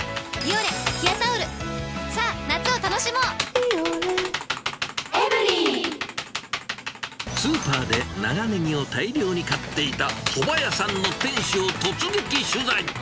「ビオレ」スーパーで長ネギを大量に買っていたそば屋さんの店主を突撃取材。